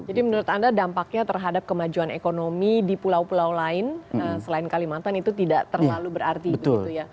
jadi menurut anda dampaknya terhadap kemajuan ekonomi di pulau pulau lain selain kalimantan itu tidak terlalu berarti gitu ya